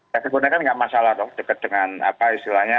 saya sebutnya kan nggak masalah dong dekat dengan apa istilahnya